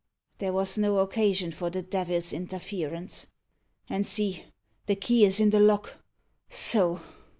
There was no occasion for the devil's interference. And see, the key is in the lock. So!"